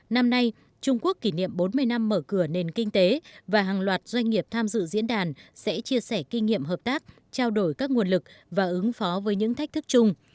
năm nay trung quốc kỷ niệm bốn mươi năm mở cửa nền kinh tế và hàng loạt doanh nghiệp tham dự diễn đàn sẽ chia sẻ kinh nghiệm hợp tác trao đổi các nguồn lực và ứng phó với những thách thức chung